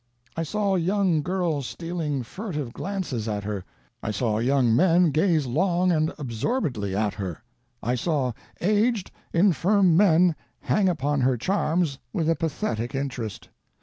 I saw young girls stealing furtive glances at her; I saw young men gaze long and absorbedly at her; I saw aged, infirm men hang upon her charms with a pathetic interest.